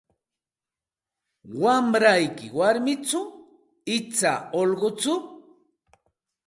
Wamrayki warmichu icha ullquchu?